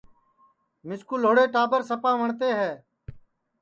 مِسکُو لھوڑے ٹاٻر سپا وٹؔتے ہے